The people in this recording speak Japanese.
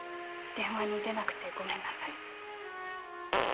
「電話に出なくてごめんなさい。